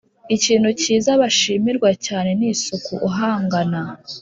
Ikintu kiza bashimirwa cyane ni isuku uhangana